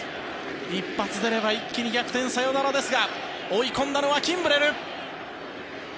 一発出れば一気にサヨナラ逆転ですが追い込んだのはキンブレル。